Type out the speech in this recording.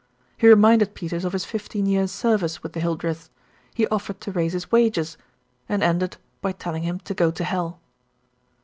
He reminded Peters of his fifteen years' service with the Hildreths, he offered to raise his wages, and ended by telling him to go to hell.